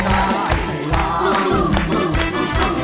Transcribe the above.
ได้ครับ